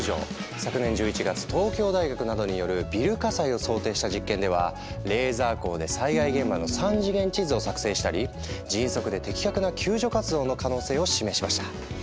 昨年１１月東京大学などによるビル火災を想定した実験ではレーザー光で災害現場の３次元地図を作成したり迅速で的確な救助活動の可能性を示しました。